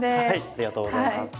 ありがとうございます。